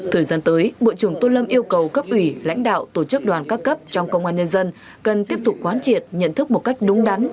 thời gian tới bộ trưởng tôn lâm yêu cầu cấp ủy lãnh đạo tổ chức đoàn các cấp trong công an nhân dân cần tiếp tục quán triệt nhận thức một cách đúng đắn